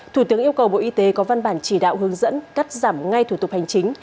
thủ tướng yêu cầu bộ y tế có văn bản chỉ đạo hướng dẫn cắt giảm ngay thủ tục hành chính